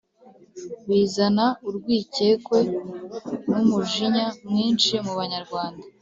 bizana urwikekwe n’umujinya mwinshi mu Banyarwanda.